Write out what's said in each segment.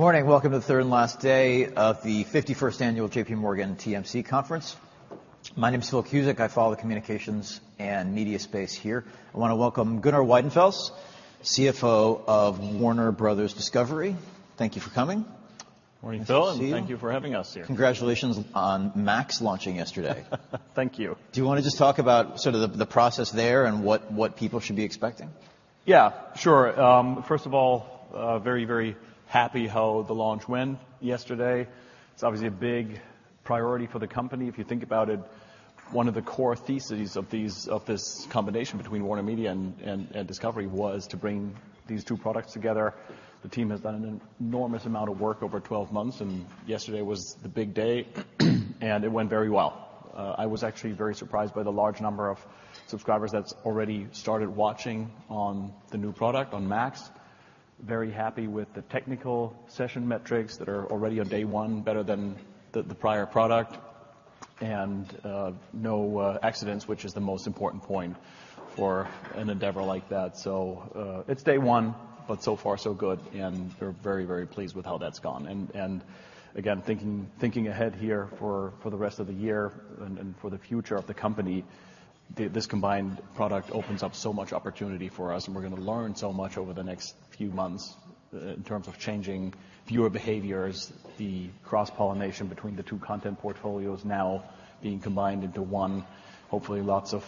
Morning. Welcome to the third and last day of the 51st annual JPMorgan TMC conference. My name is Phil Cusick. I follow the communications and media space here. I wanna welcome Gunnar Wiedenfels, CFO of Warner Bros. Discovery. Thank you for coming. Morning, Phil. Nice to see you. Thank you for having us here. Congratulations on Max launching yesterday. Thank you. Do you wanna just talk about sort of the process there and what people should be expecting? Yeah, sure. First of all, very, very happy how the launch went yesterday. It's obviously a big priority for the company. If you think about it, one of the core theses of these, of this combination between WarnerMedia and Discovery was to bring these two products together. The team has done an enormous amount of work over 12 months, yesterday was the big day, and it went very well. I was actually very surprised by the large number of subscribers that's already started watching on the new product, on Max. Very happy with the technical session metrics that are already on day one better than the prior product. No accidents, which is the most important point for an endeavor like that. It's day one, but so far so good, and we're very, very pleased with how that's gone. Again, thinking ahead here for the rest of the year and for the future of the company, this combined product opens up so much opportunity for us and we're gonna learn so much over the next few months, in terms of changing viewer behaviors, the cross-pollination between the two content portfolios now being combined into one. Hopefully, lots of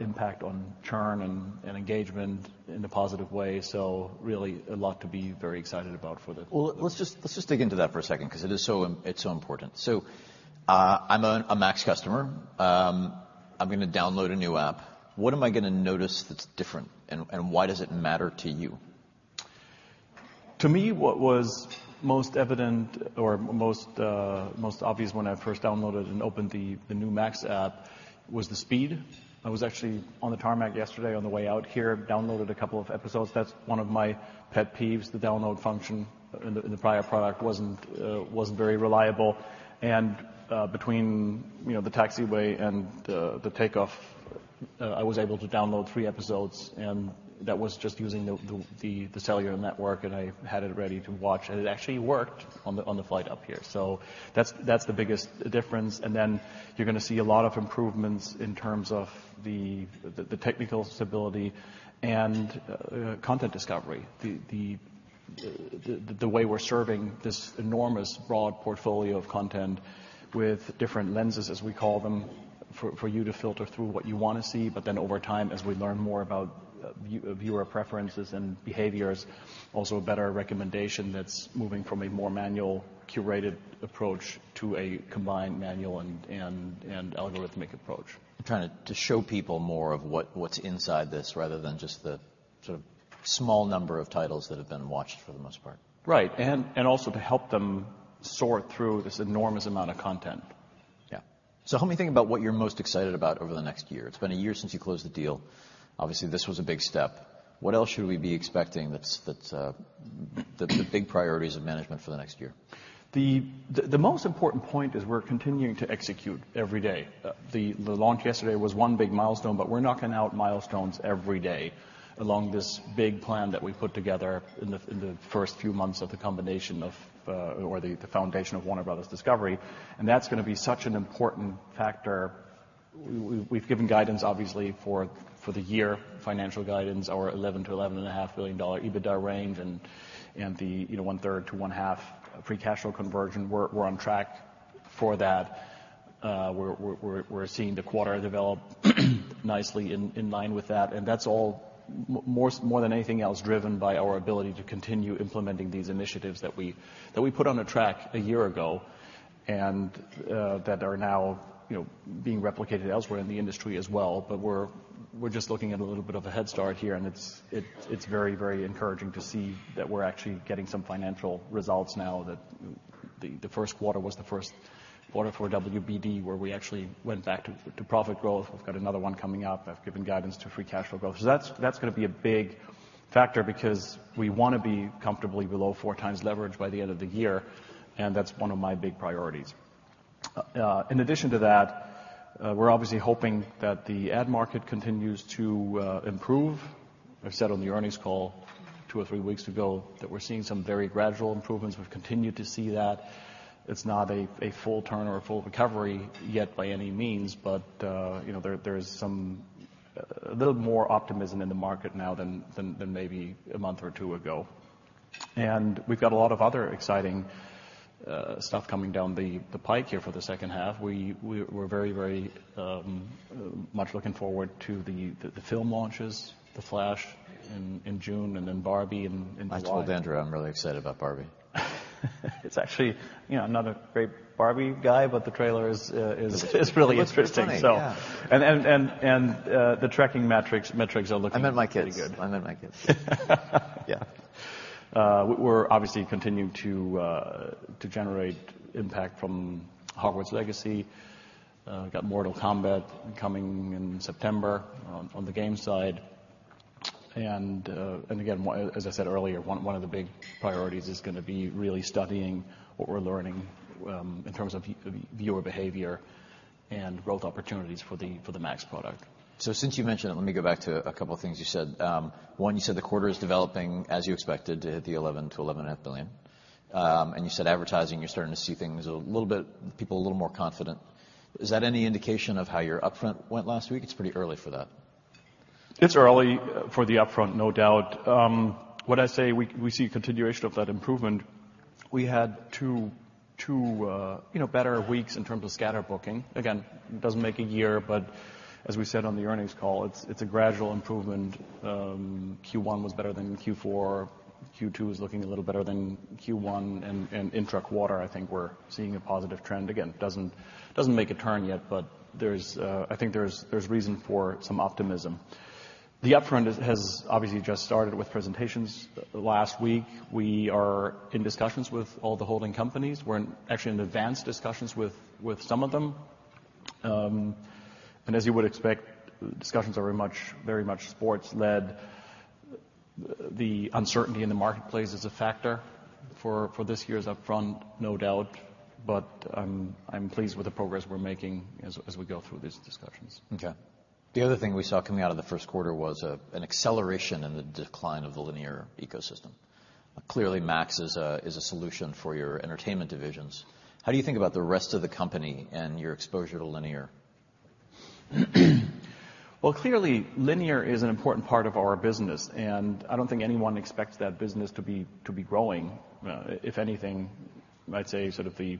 impact on churn and engagement in a positive way. Really a lot to be very excited about for the. Well, let's just dig into that for a second 'cause it is so it's so important. I'm a Max customer. I'm gonna download a new app. What am I gonna notice that's different, and why does it matter to you? To me, what was most evident or most obvious when I first downloaded and opened the new Max app was the speed. I was actually on the tarmac yesterday on the way out here, downloaded a couple of episodes. That's one of my pet peeves, the download function in the prior product wasn't very reliable. Between, you know, the taxiway and the takeoff, I was able to download three episodes, and that was just using the cellular network, and I had it ready to watch. It actually worked on the flight up here. That's the biggest difference. Then you're gonna see a lot of improvements in terms of the technical stability and content discovery. The way we're serving this enormous broad portfolio of content with different lenses, as we call them, for you to filter through what you wanna see. Over time, as we learn more about viewer preferences and behaviors, also a better recommendation that's moving from a more manual curated approach to a combined manual and algorithmic approach. You're trying to show people more of what's inside this rather than just the sort of small number of titles that have been watched for the most part. Right. Also to help them sort through this enormous amount of content. Help me think about what you're most excited about over the next year. It's been a year since you closed the deal. Obviously, this was a big step. What else should we be expecting that's the big priorities of management for the next year? The most important point is we're continuing to execute every day. The launch yesterday was one big milestone, but we're knocking out milestones every day along this big plan that we put together in the first few months of the combination or the foundation of Warner Bros. Discovery, and that's gonna be such an important factor. We've given guidance, obviously, for the year, financial guidance, our $11 billion-$11.5 billion EBITDA range and, you know, 1/3 to 1/2 free cash flow conversion. We're on track for that. We're seeing the quarter develop nicely in line with that, and that's all more than anything else driven by our ability to continue implementing these initiatives that we've, that we put on a track a year ago and that are now, you know, being replicated elsewhere in the industry as well. We're just looking at a little bit of a head start here, and it's very, very encouraging to see that we're actually getting some financial results now that the first quarter was the first quarter for WBD, where we actually went back to profit growth. We've got another one coming up. I've given guidance to free cash flow growth. That's gonna be a big factor because we wanna be comfortably below 4x leverage by the end of the year, and that's one of my big priorities. In addition to that, we're obviously hoping that the ad market continues to improve. I've said on the earnings call two or three weeks ago that we're seeing some very gradual improvements. We've continued to see that. It's not a full turn or a full recovery yet by any means, but, you know, there is a little more optimism in the market now than maybe a month or two ago. We've got a lot of other exciting stuff coming down the pike here for the second half. We're very much looking forward to the film launches, The Flash in June and then Barbie in July. I told Andrew I'm really excited about Barbie. It's actually... You know, I'm not a great Barbie guy, but the trailer is really interesting. It looks pretty funny, yeah. The tracking metrics are looking pretty good. I meant my kids. I meant my kids. Yeah. We're obviously continuing to generate impact from Hogwarts Legacy. Got Mortal Kombat coming in September on the games side. Again, as I said earlier, one of the big priorities is gonna be really studying what we're learning in terms of viewer behavior and growth opportunities for the Max product. Since you mentioned it, let me go back to a couple of things you said. One, you said the quarter is developing as you expected to hit the $11 billion to $11.5 billion. You said advertising, you're starting to see things a little bit. People a little more confident. Is that any indication of how your upfront went last week? It's pretty early for that. It's early for the upfront, no doubt. What I say, we see a continuation of that improvement. We had two, you know, better weeks in terms of scatter booking. Again, it doesn't make a year, but as we said on the earnings call, it's a gradual improvement. Q1 was better than Q4. Q2 is looking a little better than Q1. Intra-quarter, I think we're seeing a positive trend. Again, doesn't make a turn yet, but there's, I think there's reason for some optimism. The upfront has obviously just started with presentations last week. We are in discussions with all the holding companies. We're actually in advanced discussions with some of them. As you would expect, discussions are very much sports-led. The uncertainty in the marketplace is a factor for this year's upfront, no doubt, but I'm pleased with the progress we're making as we go through these discussions. The other thing we saw coming out of the first quarter was an acceleration in the decline of the linear ecosystem. Clearly, Max is a solution for your entertainment divisions. How do you think about the rest of the company and your exposure to linear? Well, clearly, linear is an important part of our business, and I don't think anyone expects that business to be growing. If anything, I'd say sort of the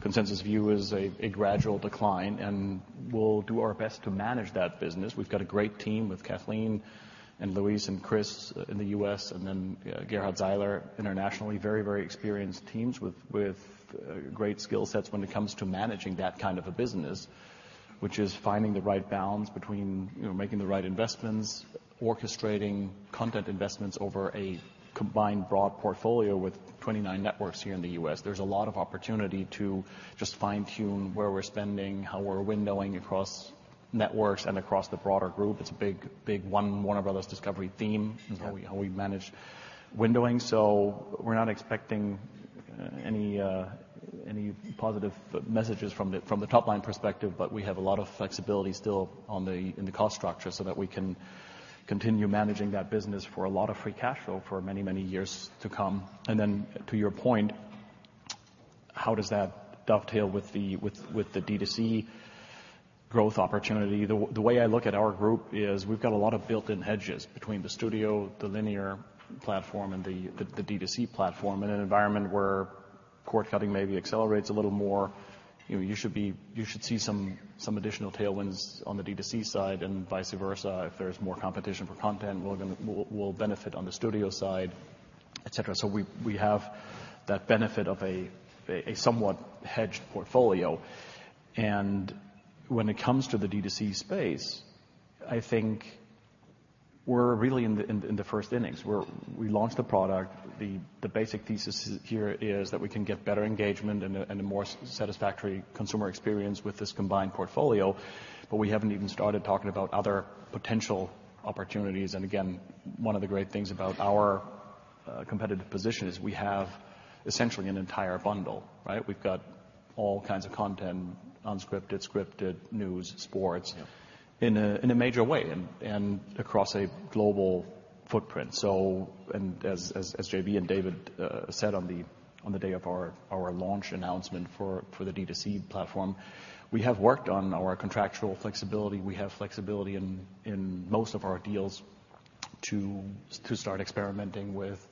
consensus view is a gradual decline, and we'll do our best to manage that business. We've got a great team with Kathleen and Louise and Chris in the U.S., and then Gerhard Zeiler internationally. Very experienced teams with great skill sets when it comes to managing that kind of a business, which is finding the right balance between, you know, making the right investments, orchestrating content investments over a combined broad portfolio with 29 networks here in the U.S. There's a lot of opportunity to just fine-tune where we're spending, how we're windowing across networks and across the broader group. It's a big one Warner Bros. Discovery theme. Yeah. Is how we manage windowing. We're not expecting any positive messages from the top-line perspective, but we have a lot of flexibility still in the cost structure so that we can continue managing that business for a lot of free cash flow for many, many years to come. To your point, how does that dovetail with the D2C growth opportunity? The way I look at our group is we've got a lot of built-in hedges between the studio, the linear platform, and the D2C platform. In an environment where cord cutting maybe accelerates a little more, you know, you should see some additional tailwinds on the D2C side, and vice versa. If there's more competition for content, we'll benefit on the studio side, et cetera. We have that benefit of a somewhat hedged portfolio. When it comes to the D2C space, I think we're really in the first innings. We launched the product. The basic thesis here is that we can get better engagement and a more satisfactory consumer experience with this combined portfolio, but we haven't even started talking about other potential opportunities. Again, one of the great things about our competitive position is we have essentially an entire bundle, right? We've got all kinds of content, unscripted, scripted, news, sports... Yeah. In a major way and across a global footprint. As JB and David said on the day of our launch announcement for the D2C platform, we have worked on our contractual flexibility. We have flexibility in most of our deals to start experimenting with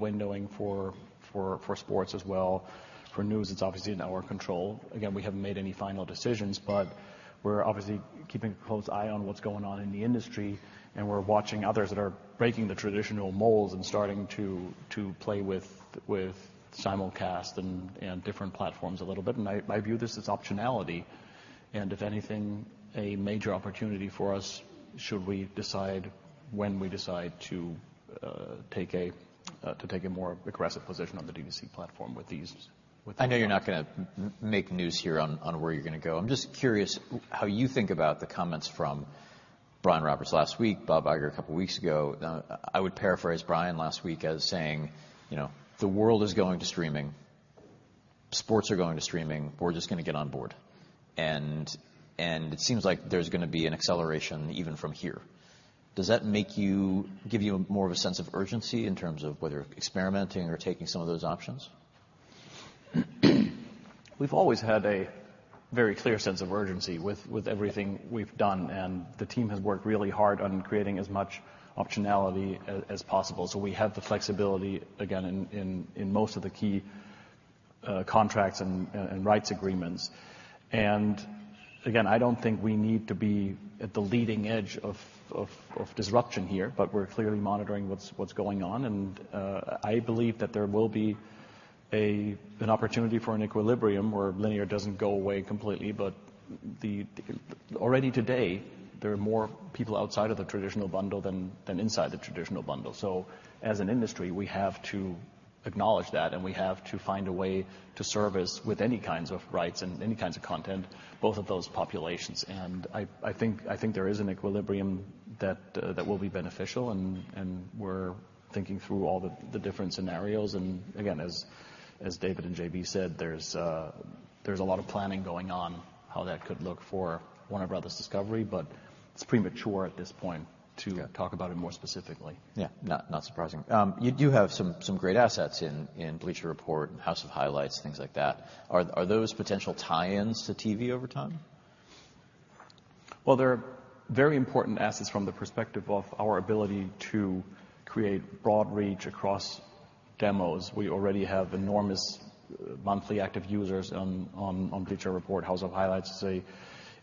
windowing for sports as well. For news, it's obviously in our control. Again, we haven't made any final decisions, but we're obviously keeping a close eye on what's going on in the industry, and we're watching others that are breaking the traditional molds and starting to play with simulcast and different platforms a little bit. I view this as optionality, and if anything, a major opportunity for us should we decide when we decide to take a. To take a more aggressive position on the D2C platform with these. I know you're not gonna make news here on where you're gonna go. I'm just curious how you think about the comments from Brian Roberts last week, Bob Iger a couple weeks ago. Now, I would paraphrase Brian last week as saying, you know, "The world is going to streaming. Sports are going to streaming. We're just gonna get on board." It seems like there's gonna be an acceleration even from here. Does that make you give you more of a sense of urgency in terms of whether experimenting or taking some of those options? We've always had a very clear sense of urgency with everything we've done, the team has worked really hard on creating as much optionality as possible, so we have the flexibility again in most of the key contracts and rights agreements. Again, I don't think we need to be at the leading edge of disruption here, but we're clearly monitoring what's going on. I believe that there will be an opportunity for an equilibrium where linear doesn't go away completely. Already today, there are more people outside of the traditional bundle than inside the traditional bundle. As an industry, we have to acknowledge that, and we have to find a way to service with any kinds of rights and any kinds of content, both of those populations. I think there is an equilibrium that will be beneficial, and we're thinking through all the different scenarios. Again, as David and JB said, there's a lot of planning going on how that could look for Warner Bros. Discovery. It's premature at this point. Yeah. talk about it more specifically. Yeah. Not surprising. You do have some great assets in Bleacher Report and House of Highlights, things like that. Are those potential tie-ins to TV over time? They're very important assets from the perspective of our ability to create broad reach across demos. We already have enormous monthly active users on Bleacher Report. House of Highlights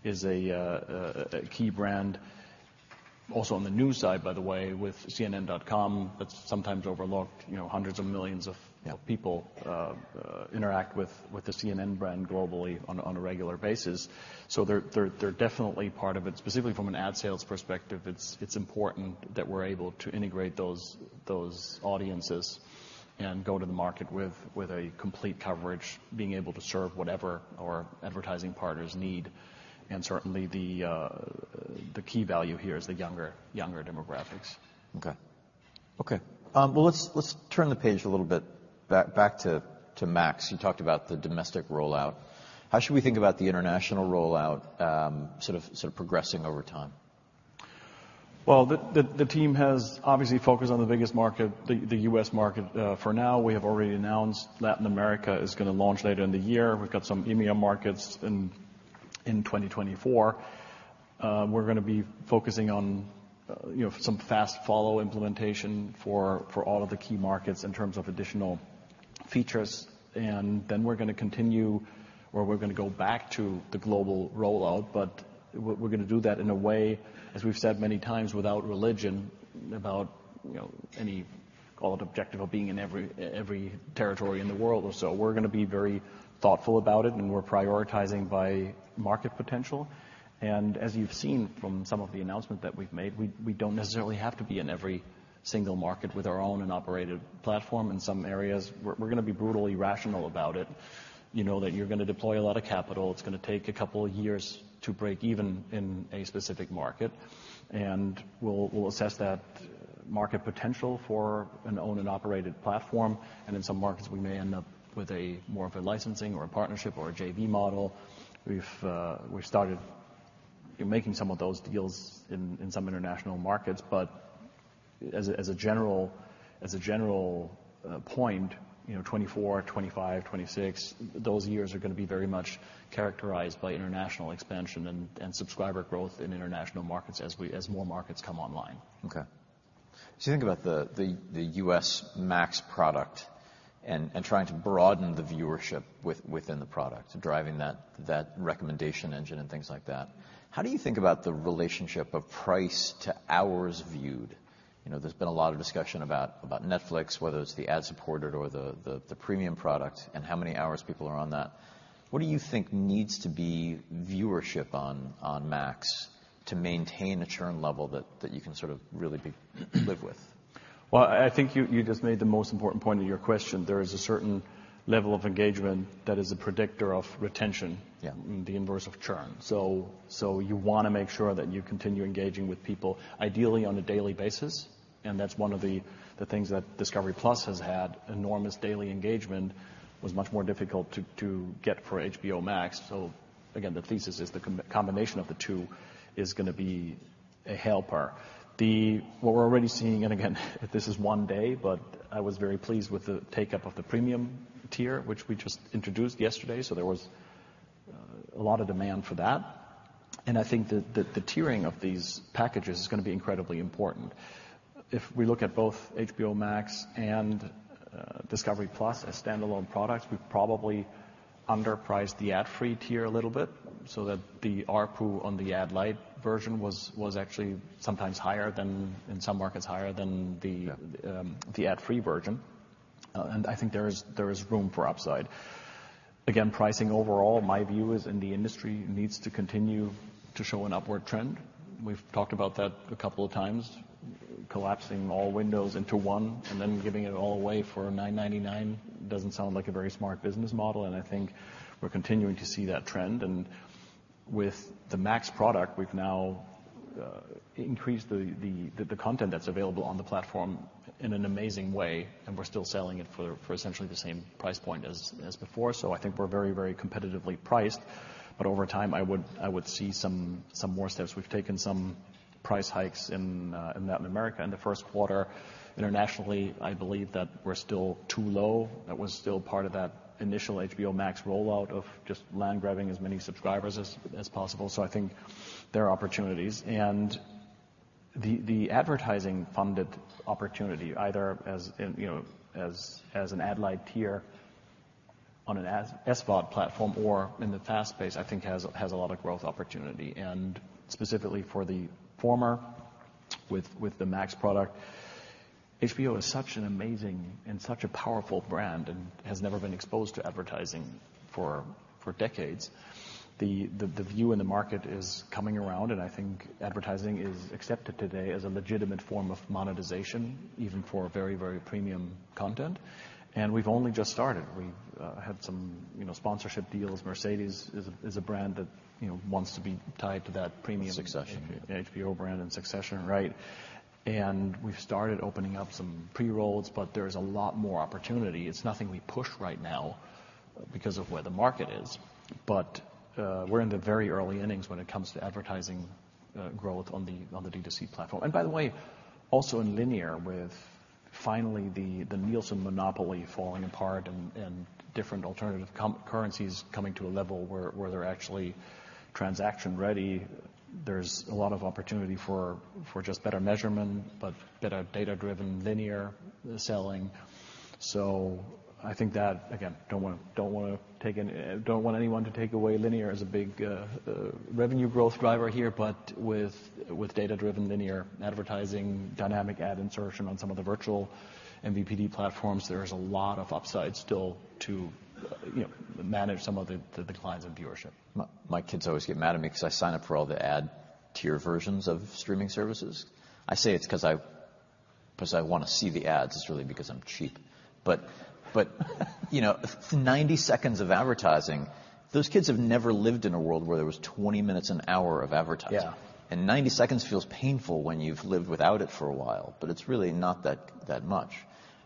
is a key brand. Also on the news side, by the way, with CNN.com, that's sometimes overlooked, you know, hundreds of millions. Yeah. people interact with the CNN brand globally on a regular basis. They're definitely part of it. Specifically from an ad sales perspective, it's important that we're able to integrate those audiences and go to the market with a complete coverage, being able to serve whatever our advertising partners need. Certainly the key value here is the younger demographics. Okay. Okay. let's turn the page a little bit back to Max. You talked about the domestic rollout. How should we think about the international rollout, sort of progressing over time? Well, the team has obviously focused on the biggest market, the U.S. market. For now, we have already announced Latin America is gonna launch later in the year. We've got some EMEA markets in 2024. We're gonna be focusing on, you know, some fast follow implementation for all of the key markets in terms of additional features, then we're gonna continue or we're gonna go back to the global rollout, but we're gonna do that in a way, as we've said many times, without religion about, you know, any objective of being in every territory in the world or so. We're gonna be very thoughtful about it, and we're prioritizing by market potential. As you've seen from some of the announcements that we've made, we don't necessarily have to be in every single market with our own and operated platform. In some areas, we're gonna be brutally rational about it. You know that you're gonna deploy a lot of capital. It's gonna take a couple of years to break even in a specific market. We'll assess that market potential for an owned and operated platform. In some markets, we may end up with a more of a licensing or a partnership or a JV model. We've started making some of those deals in some international markets. As a general point, you know, 2024, 2025, 2026, those years are gonna be very much characterized by international expansion and subscriber growth in international markets as more markets come online. You think about the U.S. Max product and trying to broaden the viewership within the product, driving that recommendation engine and things like that. How do you think about the relationship of price to hours viewed? You know, there's been a lot of discussion about Netflix, whether it's the ad-supported or the premium product and how many hours people are on that. What do you think needs to be viewership on Max to maintain a churn level that you can sort of really live with? Well, I think you just made the most important point of your question. There is a certain level of engagement that is a predictor of retention... Yeah. The inverse of churn. You wanna make sure that you continue engaging with people, ideally on a daily basis, and that's one of the things that Discovery+ has had enormous daily engagement, was much more difficult to get for HBO Max. Again, the thesis is the combination of the two is gonna be a helper. What we're already seeing, and again, this is one day, but I was very pleased with the take up of the premium tier, which we just introduced yesterday. There was a lot of demand for that. I think that the tiering of these packages is gonna be incredibly important. If we look at both HBO Max and Discovery+ as standalone products, we've probably underpriced the ad-free tier a little bit, so that the ARPU on the ad light version was actually sometimes higher than... In some markets, higher than the. Yeah. The ad-free version. I think there is room for upside. Again, pricing overall, my view is, the industry needs to continue to show an upward trend. We've talked about that a couple of times, collapsing all windows into one and then giving it all away for $9.99. Doesn't sound like a very smart business model, and I think we're continuing to see that trend. With the Max product, we've now increased the content that's available on the platform in an amazing way, and we're still selling it for essentially the same price point as before. I think we're very competitively priced. Over time, I would see some more steps. We've taken some price hikes in Latin America in the first quarter. Internationally, I believe that we're still too low. That was still part of that initial HBO Max rollout of just land grabbing as many subscribers as possible. I think there are opportunities. The, the advertising funded opportunity, either as, you know, as an ad light tier on an SVOD platform or in the FAST space, I think has a lot of growth opportunity. Specifically for the former with the Max product, HBO is such an amazing and such a powerful brand and has never been exposed to advertising for decades. The, the view in the market is coming around, and I think advertising is accepted today as a legitimate form of monetization, even for very, very premium content. We've only just started. We've had some, you know, sponsorship deals. Mercedes-Benz is a, is a brand that, you know, wants to be tied to that premium- Succession. HBO brand and Succession, right. We've started opening up some pre-rolls, but there's a lot more opportunity. It's nothing we push right now because of where the market is. We're in the very early innings when it comes to advertising growth on the D2C platform. By the way, also in linear with finally the Nielsen monopoly falling apart and different alternative currencies coming to a level where they're actually transaction ready, there's a lot of opportunity for just better measurement, but better data-driven linear selling. I think that... Again, don't wanna take any. Don't want anyone to take away linear as a big revenue growth driver here, but with data-driven linear advertising, dynamic ad insertion on some of the virtual MVPD platforms, there is a lot of upside still to, you know, manage some of the declines in viewership. My kids always get mad at me 'cause I sign up for all the ad tier versions of streaming services. I say it's 'cause I, 'cause I wanna see the ads. It's really because I'm cheap. You know, 90 seconds of advertising, those kids have never lived in a world where there was 20 minutes an hour of advertising. Yeah. 90 seconds feels painful when you've lived without it for a while, but it's really not that much.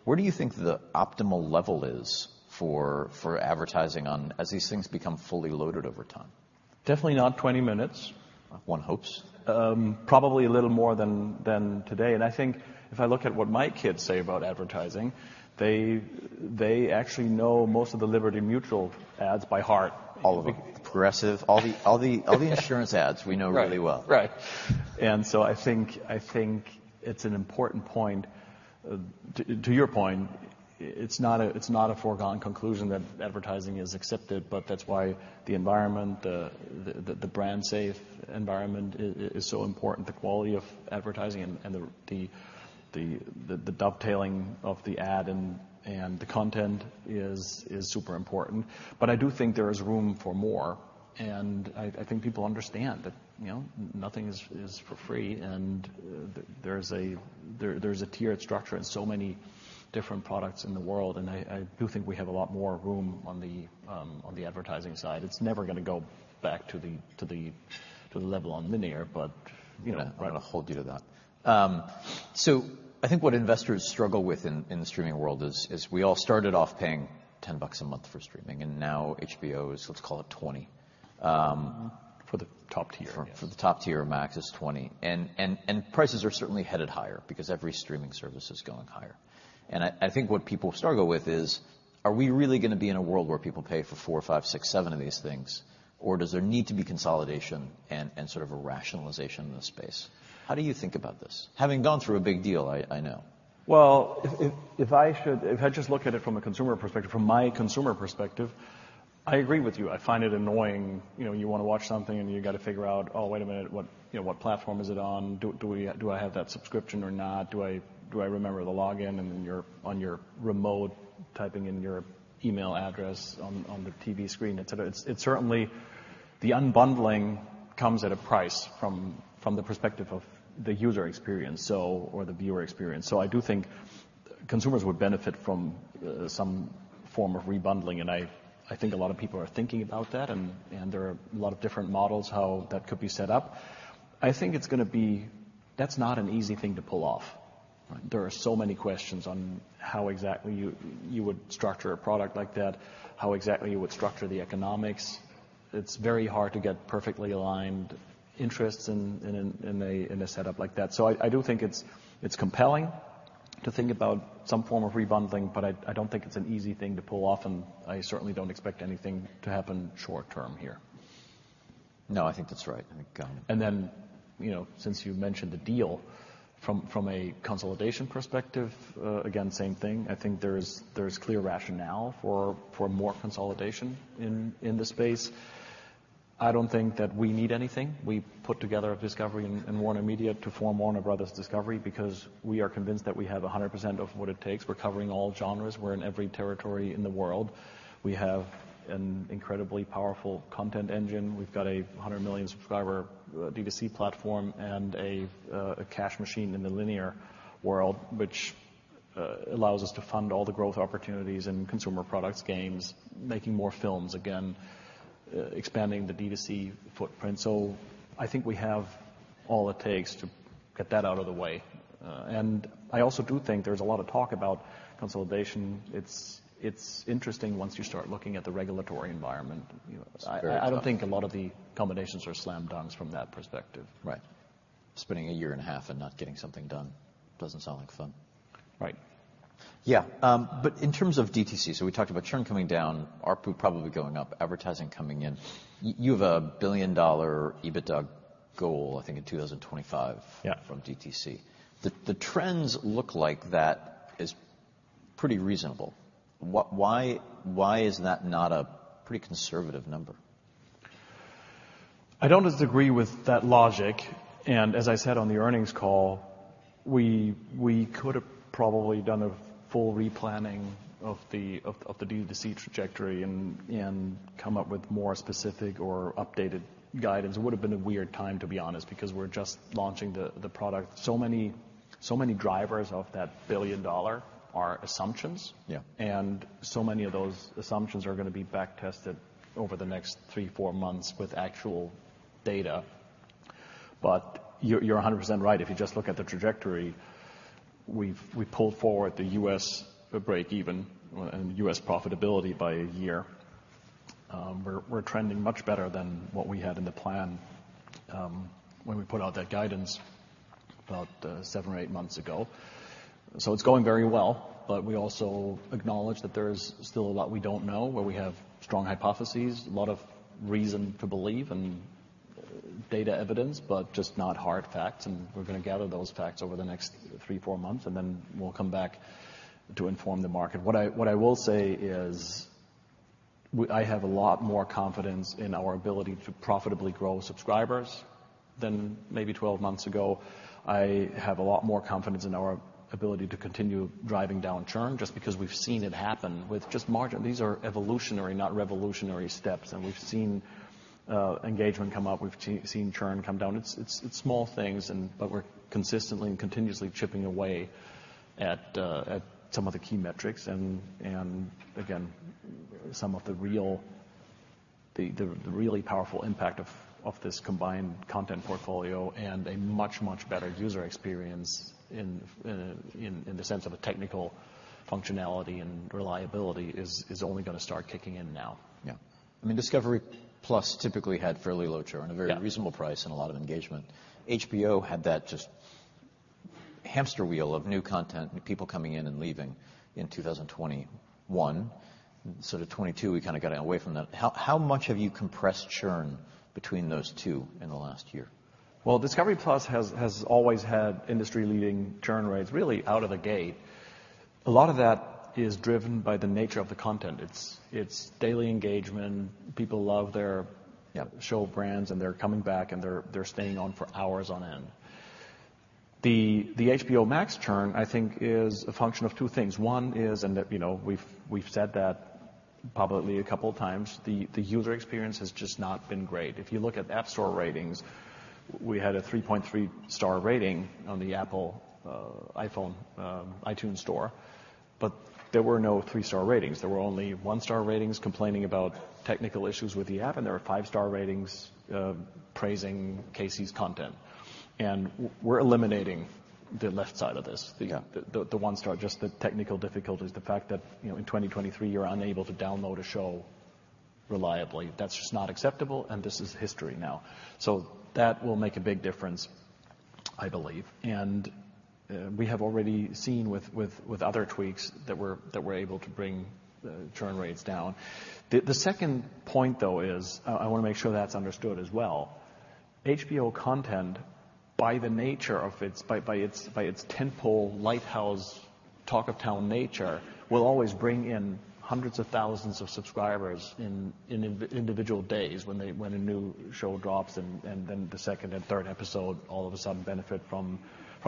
Where do you think the optimal level is for advertising on as these things become fully loaded over time? Definitely not 20 minutes. One hopes. Probably a little more than today. I think if I look at what my kids say about advertising, they actually know most of the Liberty Mutual ads by heart. All of them. Progressive. All the insurance ads we know really well. Right. Right. I think it's an important point. To your point, it's not a foregone conclusion that advertising is accepted, but that's why the environment, the brand safe environment is so important. The quality of advertising and the dovetailing of the ad and the content is super important. I do think there is room for more, and I think people understand that, you know, nothing is for free, and there's a tiered structure in so many different products in the world, and I do think we have a lot more room on the advertising side. It's never gonna go back to the level on linear, but you know. Right. I'll hold you to that. I think what investors struggle with in the streaming world is we all started off paying $10 a month for streaming, and now HBO is, let's call it $20. For the top tier, yes. For the top tier Max is $20. Prices are certainly headed higher because every streaming service is going higher. I think what people struggle with is, are we really gonna be in a world where people pay for four or five, six, seven of these things? Or does there need to be consolidation and sort of a rationalization in the space? How do you think about this? Having gone through a big deal, I know. If I just look at it from a consumer perspective, from my consumer perspective, I agree with you. I find it annoying. You know, you wanna watch something, and you gotta figure out, oh, wait a minute, what, you know, what platform is it on? Do I have that subscription or not? Do I remember the login? On your remote, typing in your email address on the TV screen, etc. It's certainly... The unbundling comes at a price from the perspective of the user experience, or the viewer experience. I do think consumers would benefit from some form of rebundling, and I think a lot of people are thinking about that and there are a lot of different models how that could be set up. That's not an easy thing to pull off. There are so many questions on how exactly you would structure a product like that, how exactly you would structure the economics. It's very hard to get perfectly aligned interests in a setup like that. I do think it's compelling to think about some form of rebundling, I don't think it's an easy thing to pull off, and I certainly don't expect anything to happen short term here. No, I think that's right. I think. You know, since you've mentioned the deal from a consolidation perspective, again, same thing. I think there's clear rationale for more consolidation in the space. I don't think that we need anything. We put together a Discovery and WarnerMedia to form Warner Bros. Discovery because we are convinced that we have 100% of what it takes. We're covering all genres. We're in every territory in the world. We have an incredibly powerful content engine. We've got a 100 million subscriber D2C platform and a cash machine in the linear world, which allows us to fund all the growth opportunities in consumer products, games, making more films again, expanding the D2C footprint. I think we have all it takes to get that out of the way. I also do think there's a lot of talk about consolidation. It's interesting once you start looking at the regulatory environment. You know. It's very tough. I don't think a lot of the combinations are slam dunks from that perspective. Right. Spending a year and a half and not getting something done doesn't sound like fun. Right. Yeah. In terms of D2C, so we talked about churn coming down, ARPU probably going up, advertising coming in. You have a billion dollar EBITDA goal, I think in 2025... Yeah ...from DTC. The trends look like that is pretty reasonable. Why is that not a pretty conservative number? I don't disagree with that logic. As I said on the earnings call, we could have probably done a full replanning of the D2C trajectory and come up with more specific or updated guidance. It would've been a weird time, to be honest, because we're just launching the product. Many drivers of that billion dollar are assumptions. Yeah. Many of those assumptions are gonna be back-tested over the next three, four months with actual data. You're 100% right. If you just look at the trajectory, we pulled forward the U.S. breakeven and U.S. profitability by a year. We're trending much better than what we had in the plan when we put out that guidance about seven or eight months ago. It's going very well, but we also acknowledge that there's still a lot we don't know, where we have strong hypotheses, a lot of reason to believe and data evidence, but just not hard facts, we're gonna gather those facts over the next three, four months, then we'll come back to inform the market. What I will say is I have a lot more confidence in our ability to profitably grow subscribers than maybe 12 months ago. I have a lot more confidence in our ability to continue driving down churn just because we've seen it happen with just margin. These are evolutionary, not revolutionary steps. We've seen engagement come up. We've seen churn come down. It's small things. We're consistently and continuously chipping away at some of the key metrics. Again, some of the real, the really powerful impact of this combined content portfolio and a much, much better user experience in the sense of a technical functionality and reliability is only gonna start kicking in now. Yeah. I mean, Discovery+ typically had fairly low churn- Yeah. A very reasonable price and a lot of engagement. HBO had that just hamster wheel of new content, new people coming in and leaving in 2021. Sort of 2022, we kinda gotten away from that. How much have you compressed churn between those two in the last year? Well, Discovery+ has always had industry-leading churn rates really out of the gate. A lot of that is driven by the nature of the content. It's daily engagement. People love. Yeah. Show brands, and they're coming back, and they're staying on for hours on end. The HBO Max churn, I think, is a function of two things. One is, and, you know, we've said that publicly a couple of times, the user experience has just not been great. If you look at App Store ratings, we had a 3.3 star rating on the Apple iPhone iTunes Store, but there were no 3-star ratings. There were only 1-star ratings complaining about technical issues with the app, and there were 5-star ratings praising Casey's content. We're eliminating the left side of this. Yeah. The one star, just the technical difficulties. The fact that, you know, in 2023 you're unable to download a show reliably, that's just not acceptable, and this is history now. That will make a big difference, I believe. We have already seen with other tweaks that we're, that we're able to bring the churn rates down. The second point, though, is, I wanna make sure that's understood as well. HBO content, by the nature of its, by its tentpole lighthouse talk of town nature, will always bring in hundreds of thousands of subscribers in individual days when a new show drops, and then the second and third episode all of a sudden benefit from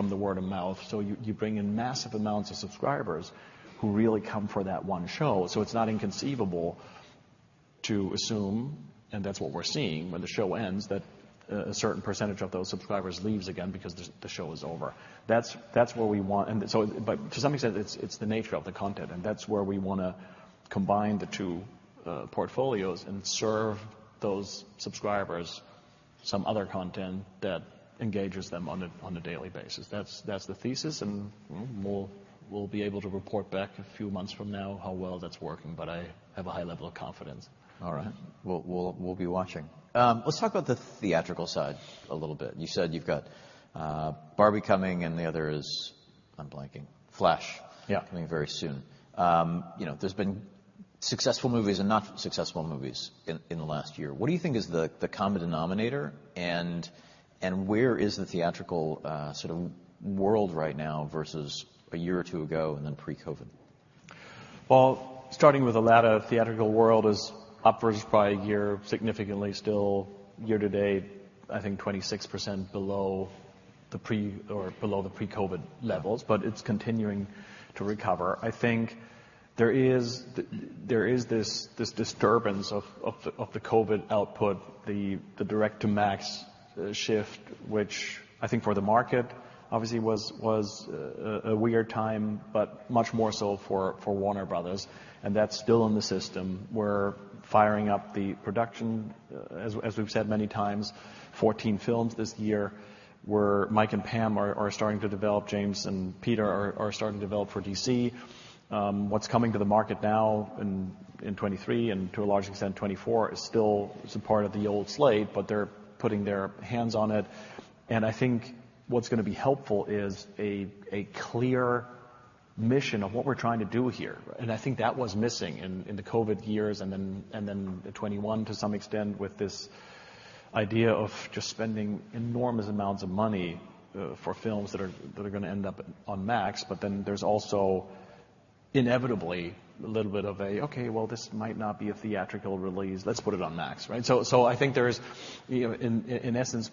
the word of mouth. You bring in massive amounts of subscribers who really come for that one show. It's not inconceivable to assume, and that's what we're seeing when the show ends, that a certain percentage of those subscribers leaves again because the show is over. That's what we want. To some extent, it's the nature of the content, and that's where we wanna combine the two portfolios and serve those subscribers some other content that engages them on a daily basis. That's the thesis, and we'll be able to report back a few months from now how well that's working, but I have a high level of confidence. All right. We'll be watching. Let's talk about the theatrical side a little bit. You said you've got Barbie coming and the other is... I'm blanking. Flash- Yeah. Coming very soon. you know, there's been successful movies and not successful movies in the last year. What do you think is the common denominator and where is the theatrical sort of world right now versus a year or two ago and then pre-COVID? Well, starting with the latter, theatrical world is upwards by a year, significantly still year to date, I think 26% below the pre-COVID levels, but it's continuing to recover. I think there is this disturbance of the COVID output, the direct to Max shift, which I think for the market obviously was a weird time, but much more so for Warner Bros., and that's still in the system. We're firing up the production. As we've said many times, 14 films this year where Mike and Pam are starting to develop. James and Peter are starting to develop for DC. What's coming to the market now in 2023 and to a large extent 2024 is still a part of the old slate, but they're putting their hands on it. I think what's gonna be helpful is a clear mission of what we're trying to do here. I think that was missing in the COVID years, and then 2021 to some extent with this idea of just spending enormous amounts of money for films that are going to end up on Max. There's also inevitably a little bit of a, "Okay, well, this might not be a theatrical release. Let's put it on Max." Right? I think there is. In essence,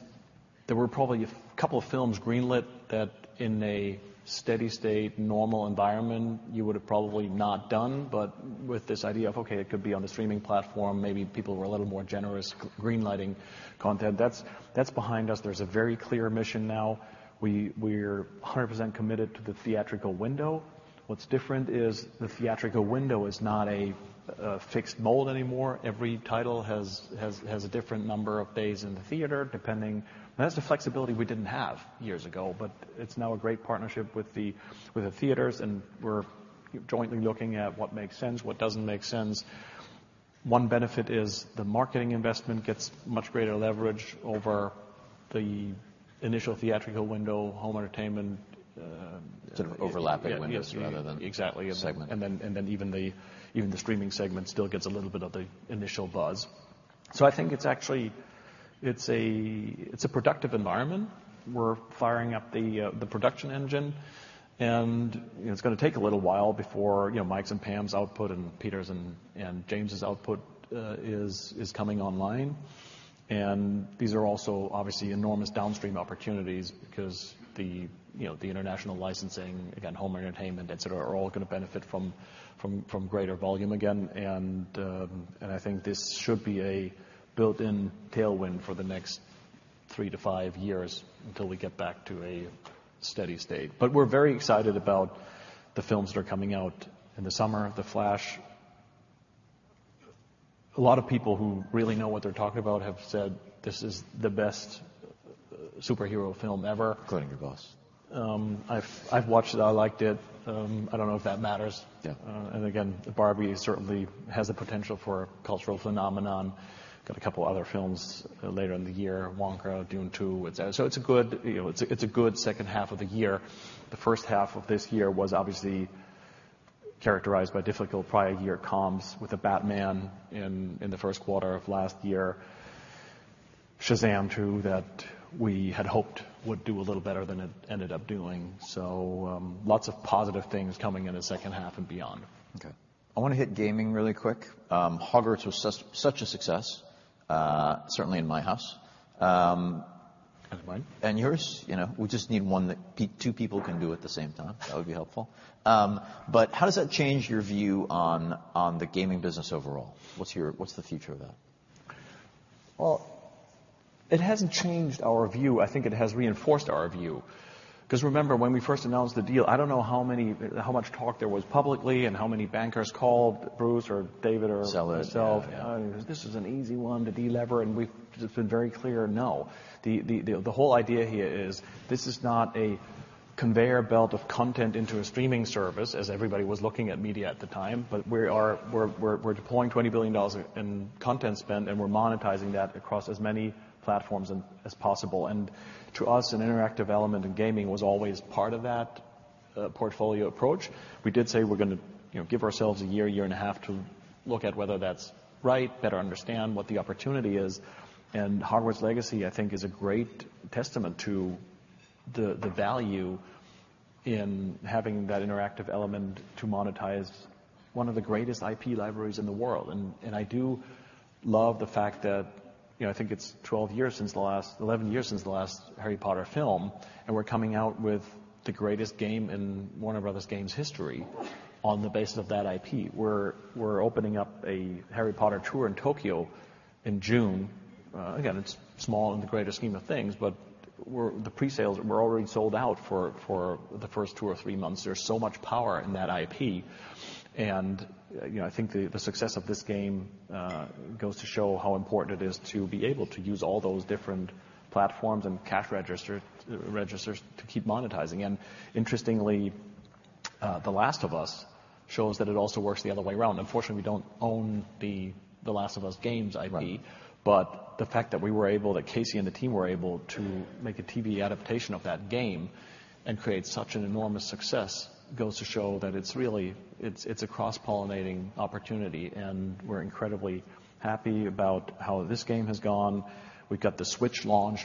there were probably a couple of films greenlit that in a steady state normal environment you would have probably not done, but with this idea of, okay, it could be on the streaming platform, maybe people were a little more generous green lighting content. That's behind us. There's a very clear mission now. We're 100% committed to the theatrical window. What's different is the theatrical window is not a fixed mold anymore. Every title has a different number of days in the theater, depending. That's the flexibility we didn't have years ago, but it's now a great partnership with the theaters, and we're jointly looking at what makes sense, what doesn't make sense. One benefit is the marketing investment gets much greater leverage over the initial theatrical window, home entertainment. Sort of overlapping windows rather than- Yes. Exactly. Segment. Even the streaming segment still gets a little bit of the initial buzz. I think it's actually a productive environment. We're firing up the production engine, and, you know, it's gonna take a little while before, you know, Mike's and Pam's output, and Peter's and James' output is coming online. These are also obviously enormous downstream opportunities because the, you know, the international licensing, again, home entertainment, et cetera, are all gonna benefit from greater volume again. I think this should be a built-in tailwind for the next three to five years until we get back to a steady state. We're very excited about the films that are coming out in the summer. The Flash. A lot of people who really know what they're talking about have said this is the best superhero film ever. Including your boss. I've watched it. I liked it. I don't know if that matters. Yeah. Again, Barbie certainly has the potential for a cultural phenomenon. Got a couple other films later in the year, Wonka, Dune Two. It's a good second half of the year. The first half of this year was obviously characterized by difficult prior year comms with The Batman in the first quarter of last year. Shazam 2 that we had hoped would do a little better than it ended up doing. Lots of positive things coming in the second half and beyond. I wanna hit gaming really quick. Hogwarts was such a success, certainly in my house. Mine. Yours. You know, we just need one that two people can do at the same time. That would be helpful. How does that change your view on the gaming business overall? What's the future of that? Well, it hasn't changed our view. I think it has reinforced our view. 'Cause remember, when we first announced the deal, I don't know how many, how much talk there was publicly and how many bankers called Bruce or David or- Sellers. Yeah, yeah. Myself. "This is an easy one to delever," and we've just been very clear, "No." The whole idea here is this is not a conveyor belt of content into a streaming service as everybody was looking at media at the time, but we're deploying $20 billion in content spend, and we're monetizing that across as many platforms as possible. To us, an interactive element in gaming was always part of that portfolio approach. We did say we're gonna, you know, give ourselves a year and a half to look at whether that's right, better understand what the opportunity is. Hogwarts Legacy, I think, is a great testament to the value in having that interactive element to monetize one of the greatest IP libraries in the world. I do love the fact that, you know, I think it's 11 years since the last Harry Potter film. We're coming out with the greatest game in Warner Bros. Games history on the basis of that IP. We're opening up a Harry Potter tour in Tokyo in June. It's small in the greater scheme of things, but the presales were already sold out for the first two or three months. There's so much power in that IP. You know, I think the success of this game goes to show how important it is to be able to use all those different platforms and cash registers to keep monetizing. Interestingly, The Last of Us shows that it also works the other way around. Unfortunately, we don't own The Last of Us games IP. Right. The fact that we were able, that Casey and the team were able to make a TV adaptation of that game and create such an enormous success goes to show that it's really. It's a cross-pollinating opportunity, and we're incredibly happy about how this game has gone. We've got the Switch launch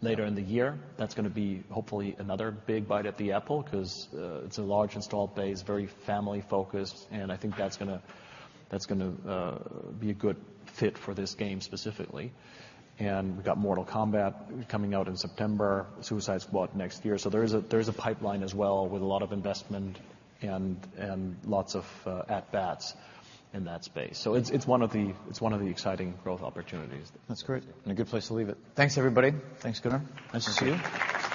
later in the year. That's gonna be hopefully another big bite at the Apple 'cause it's a large installed base, very family-focused, and I think that's gonna, that's gonna be a good fit for this game specifically. We've got Mortal Kombat coming out in September, Suicide Squad next year. There is a pipeline as well with a lot of investment and lots of at bats in that space. It's one of the exciting growth opportunities. That's great. A good place to leave it. Thanks, everybody. Thanks, Gunnar. Nice to see you.